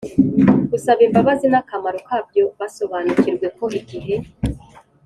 Gusaba imbabazi n akamaro kabyo basobanukirwe ko igihe